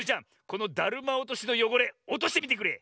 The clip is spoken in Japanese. このだるまおとしのよごれおとしてみてくれ。